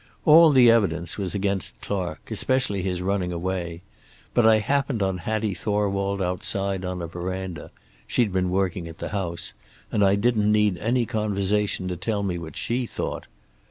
All the evidence was against Clark, especially his running away. But I happened on Hattie Thorwald outside on a verandah she'd been working at the house and I didn't need any conversation to tell me what she thought.